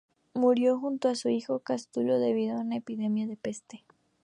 Murió junto a su hijo en Cástulo, debido a una epidemia de peste.